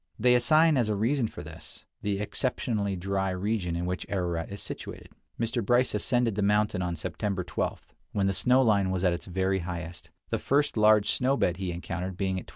They assign, as a reason for this, the exceptionally dry region in which Ararat is situated. Mr. Bryce ascended the mountain on September 12, when the snow line was at its very highest, the first large snow bed he encountered being at 12,000 feet.